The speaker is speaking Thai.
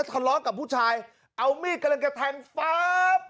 ทะเลาะกับผู้ชายเอามีดกำลังกระแทงป๊าบ